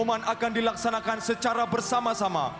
hukuman akan dilaksanakan secara bersama sama